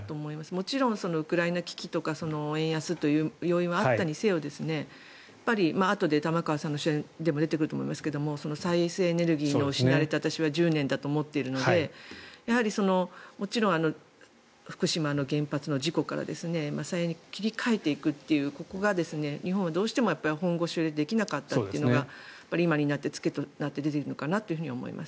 もちろんウクライナ危機とか円安という要因はあったにせよやっぱり、あとで玉川さんの取材でも出てくると思いますが再生エネルギーの失われた１０年だと私は思っているのでやはりもちろん福島の原発の事故から再エネに切り替えていくというところが日本はどうしても本腰を入れてできなかったというのが今になって付けとして出ているのかなと思います。